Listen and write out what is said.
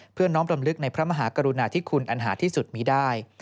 น้อมรำลึกในพระมหากรุณาธิคุณอันหาที่สุดมีได้